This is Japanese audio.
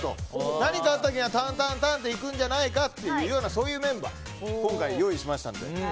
何かあったらタンタンタンといくんじゃないかっていうようなメンバーを今回用意しましたので。